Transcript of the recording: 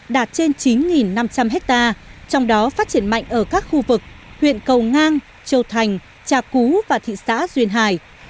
đạt trên chín năm trăm linh hectare trong đó phát triển mạnh ở các khu vực huyện cầu ngang châu thành trà cú và thị xã duyên hải